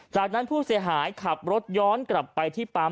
จากนั้นผู้เสียหายขับรถย้อนกลับไปที่ปั๊ม